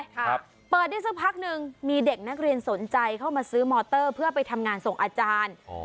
ไอฟี่ปลอดภักดิ์พักหนึ่งมีเด็กนักเรียนสนใจเข้ามาซื้อมอเตอร์เพื่อทำงานส่งอาจารย์